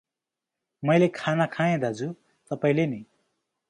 मैले खाना खाए दाजु तपाईंले नी?